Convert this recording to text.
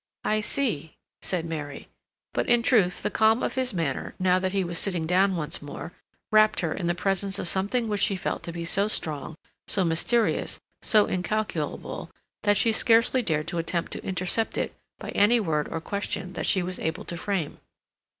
"I see," said Mary. But in truth the calm of his manner, now that he was sitting down once more, wrapt her in the presence of something which she felt to be so strong, so mysterious, so incalculable, that she scarcely dared to attempt to intercept it by any word or question that she was able to frame.